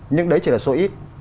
nhưng đấy chỉ là số ít